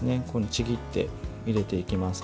ちぎって入れていきます。